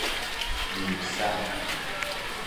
نیم سر